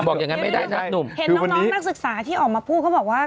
อย่างนั้นไม่ได้นะหนุ่มเห็นน้องน้องนักศึกษาที่ออกมาพูดเขาบอกว่า